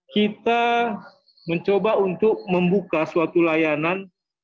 kita mencoba untuk membuka suatu layanan